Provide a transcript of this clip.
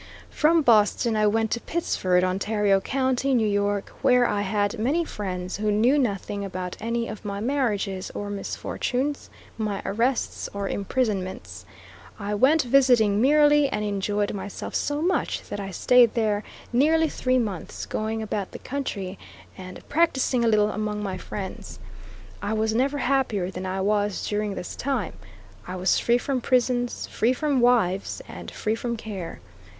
From Boston I went to Pittsford, Ontario County, N. Y., where I had many friends, who knew nothing about any of my marriages or misfortunes, my arrests or imprisonments. I went visiting merely, and enjoyed myself so much that I stayed there nearly three months, going about the country, and practicing a little among my friends. I was never happier than I was during this time. I was free from prisons, free from my wives, and free from care.